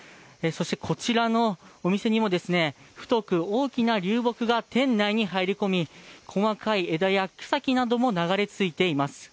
こちらのお店にも太く大きな流木が店内に入り込み細かい枝や草木なども流れ着いています。